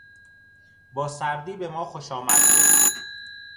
با سردی به ما خوشامد گفت.